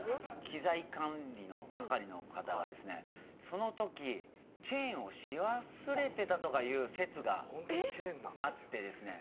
機材管理の係の方がですねその時チェーンをし忘れてたとかいう説があってですね